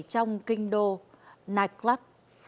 trong kinh đô nightclub